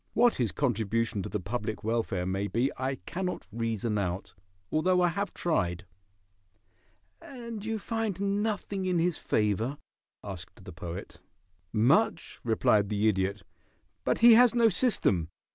What his contribution to the public welfare may be I cannot reason out, although I have tried." "And you find nothing in his favor?" asked the Poet. "Much," replied the Idiot, "but he has no system.